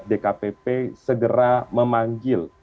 dkpp segera memanggil